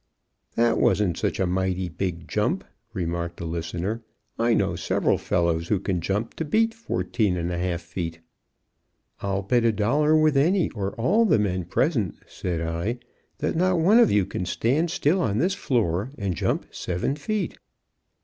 "That wasn't such a mighty big jump," remarked a listener. "I know several fellows who can jump to beat 14 1/2 feet." "I'll bet a dollar with any or all the men present," said I, "that not one of you can stand still on this floor and jump 7 feet."